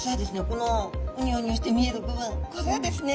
このウニョウニョして見える部分これはですね